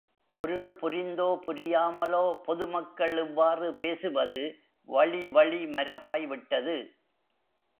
பொருள் புரிந்தோ புரியாமலோ, பொதுமக்கள் இவ்வாறு பேசுவது, வழி வழி மரபாய் விட்டது.